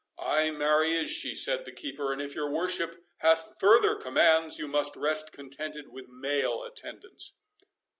"Ay, marry is she," said the keeper; "and if your worship hath farther commands, you must rest contented with male attendance."